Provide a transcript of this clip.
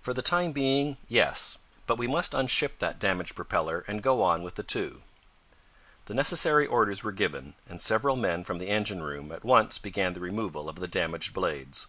"For the time being, yes. But we must unship that damaged propeller, and go on with the two." The necessary orders were given, and several men from the engine room at once began the removal of the damaged blades.